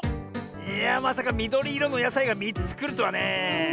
いやまさかみどりいろのやさいが３つくるとはねえ。